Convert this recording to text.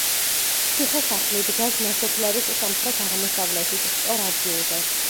ციხე-სახლი დგას ნასოფლარის სამხრეთ-აღმოსავლეთით, სწორ ადგილზე.